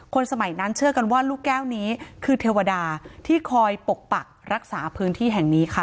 สมัยนั้นเชื่อกันว่าลูกแก้วนี้คือเทวดาที่คอยปกปักรักษาพื้นที่แห่งนี้ค่ะ